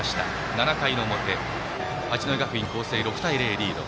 ７回の表八戸学院光星６点のリード。